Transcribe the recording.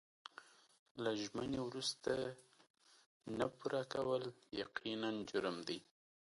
له ژمنې وروسته نه پوره کول یقیناً جرم دی.